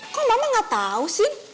kok mama gak tau sin